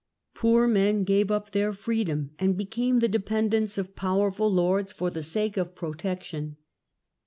Poor men gave up their freedom and became the dependents of powerful lords for the sake of protection.